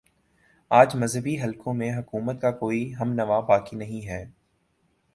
آج مذہبی حلقوں میں حکومت کا کوئی ہم نوا باقی نہیں ہے